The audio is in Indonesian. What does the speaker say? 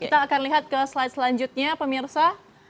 kita akan lihat ke slide selanjutnya pemirsa